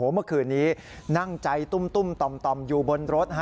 เมื่อคืนนี้นั่งใจตุ้มต่อมอยู่บนรถ